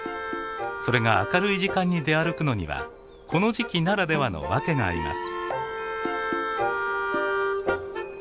それが明るい時間に出歩くのにはこの時期ならではの訳があります。